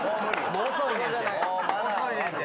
もう遅いねんて。